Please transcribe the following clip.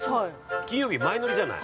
金曜日前乗りじゃない。